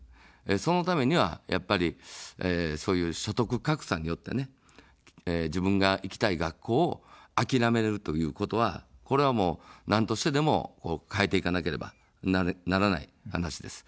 そのためには、やっぱりそういう所得格差によって自分が行きたい学校を諦めるということは、これはもうなんとしてでも、変えていかなければならない話です。